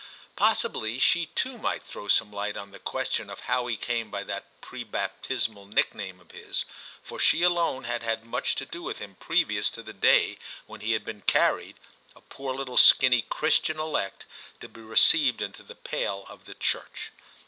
Possibly she too might throw some light on the question of how he came by that pre baptismal nickname of his, for she alone had had much to do with him previous to the day when he had been carried, a poor little skinny Christian elect, to be received into the pale of the Church.